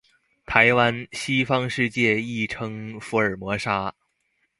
台湾，西方世界亦称福尔摩沙。